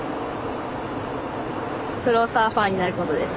プロサーファーになることです。